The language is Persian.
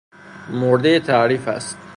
مردهی تعریف است.